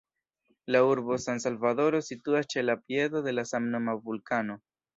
La urbo San-Salvadoro situas ĉe la piedo de la samnoma vulkano.